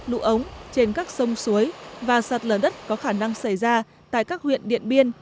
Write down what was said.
lũ ống trên các sông suối và sạt lở đất có khả năng xảy ra tại các huyện điện biên